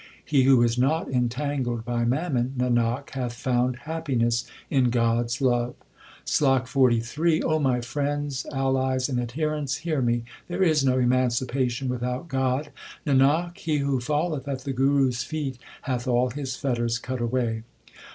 1 He who is not entangled by mammon, Nanak, hath found happiness in God s love. SLOK XLIII O my friends, allies, and adherents, hear me there is no emancipation without God : Nanak, he who falleth at the Guru s feet hath all his fetters cut away.